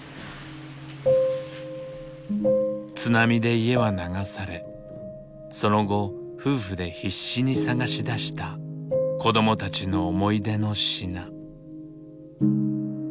津波で家は流されその後夫婦で必死に捜し出した子どもたちの思い出の品。